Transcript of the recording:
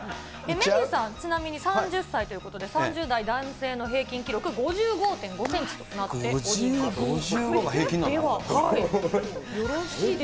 メンディーさん、ちなみに３０歳ということで、３０代男性の平均記録、５５．５センチとな５５が平均なんだ。